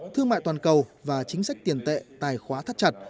thương mại toàn cầu và chính sách tiền tệ tài khóa thắt chặt